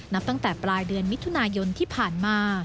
นับตั้งแต่ปลายเดือนมิถุนายนที่ผ่านมา